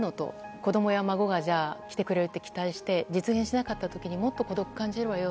子供や孫が来てくれるって期待して実現しなかった時にもっと孤独を感じるわよ